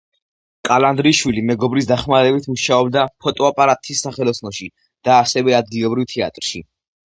კალანდარიშვილი მეგობრის დახმარებით მუშაობდა ფოტოაპარატის სახელოსნოში და ასევე ადგილობრივ თეატრში.